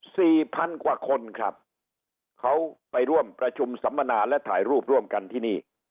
สี่พันกว่าคนครับเขาไปร่วมประชุมสัมมนาและถ่ายรูปร่วมกันที่นี่